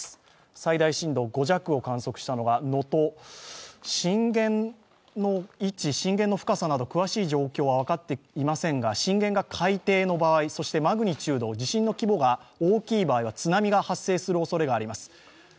最大震度５弱を観測したのは能登、震源の位置、深さなど、詳しい状況は分かっていませんが、震源が海底の場合、そしてマグニチュード地震の規模が大きい場合は津波が発生するおそれがあります。